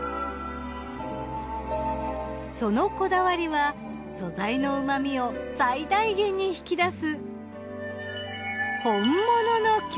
そのこだわりは素材の旨みを最大限に引き出す。